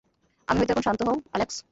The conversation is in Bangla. আমি হয়ত তখন -- শান্ত হও, অ্যালেক্স।